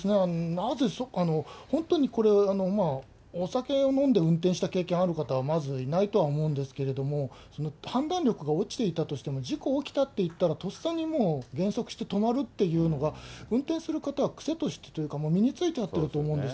なぜ、本当にこれ、お酒飲んで運転した経験ある方は、まずいないとは思うんですけど、判断力が落ちていたとしても、事故起きたっていったら、とっさにもう減速して止まるっていうのが、運転する方は癖としてというか、身についちゃってると思うんです。